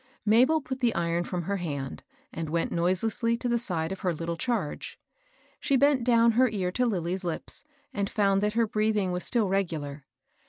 Mabel put the iron from her hand, and went noiselessly to the side of her little charge. She bent down her ear to Lilly's lips, and found that her breathing was still regular.